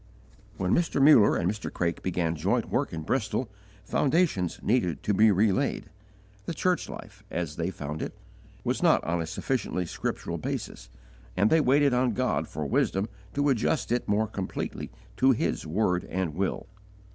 When Mr. Muller and Mr. Craik began joint work in Bristol, foundations needed to be relaid. The church life, as they found it, was not on a sufficiently scriptural basis, and they waited on God for wisdom to adjust it more completely to His word and will.